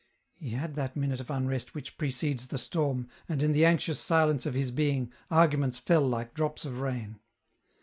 He had that minute of unrest which precedes the storm, and in the anxious silence of his being, arguments fell like drops of rain.